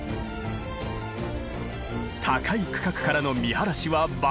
高い区画からの見晴らしは抜群。